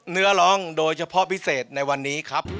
เนื้อร้องโดยเฉพาะพิเศษในวันนี้ครับ